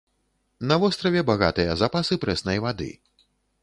На востраве багатыя запасы прэснай вады.